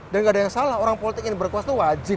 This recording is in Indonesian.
dan ga ada yang salah orang politik ingin berkuasa itu wajib